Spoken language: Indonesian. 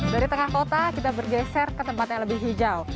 dari tengah kota kita bergeser ke tempat yang lebih hijau